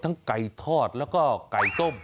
ไก่ทอดแล้วก็ไก่ต้ม